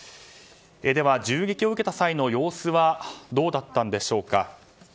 では、銃撃を受けた際の様子はどうだったんでしょうか。